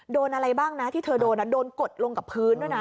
โดนอะไรบ้างนะที่เธอโดนโดนกดลงกับพื้นด้วยนะ